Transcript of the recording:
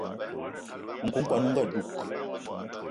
Nku kwan on ga dug